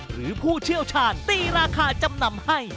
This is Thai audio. ผู้เชี่ยวชาญตีราคาจำนำให้